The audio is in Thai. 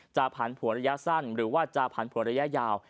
ผ่านผัวระยะสั้นหรือว่าจะผันผวนระยะยาว